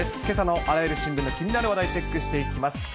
けさのあらゆる新聞の気になる話題、チェックしていきます。